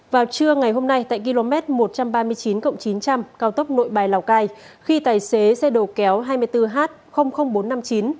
vào trưa ngày hôm nay tại km một trăm ba mươi chín chín trăm linh cao tốc nội bài lào cai khi tài xế xe đồ kéo hai mươi bốn h bốn trăm năm mươi chín